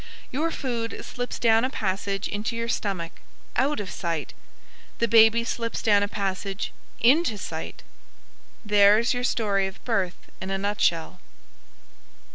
Your food slips down a passage into your stomach, out of sight. The baby slips down a passage into sight!" There is your story of birth in a nutshell.